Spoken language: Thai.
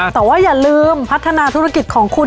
แต่ว่าอย่าลืมพัฒนาธุรกิจของคุณ